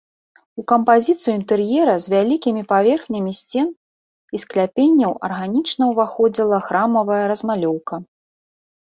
У кампазіцыю інтэр'ера з вялікімі паверхнямі сцен і скляпенняў арганічна ўваходзіла храмавая размалёўка.